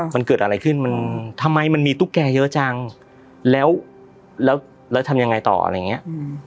มันเกิดอะไรขึ้นมันทำไมมันมีตุ๊กแกเยอะจังแล้วแล้วทำยังไงต่ออะไรอย่างเงี้ย